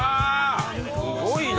すごいな。